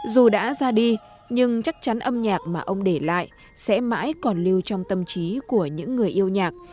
dù đã ra đi nhưng chắc chắn âm nhạc mà ông để lại sẽ mãi còn lưu trong tâm trí của những người yêu nhạc